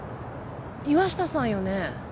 岩下さんよね？